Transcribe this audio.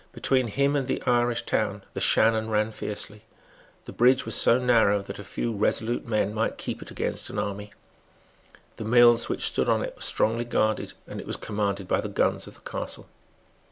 Between him and the Irish town the Shannon ran fiercely. The bridge was so narrow that a few resolute men might keep it against an army. The mills which stood on it were strongly guarded; and it was commanded by the guns of the castle.